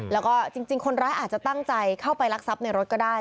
แล้วก็จริงคนร้ายอาจจะตั้งใจเข้าไปรักทรัพย์ในรถก็ได้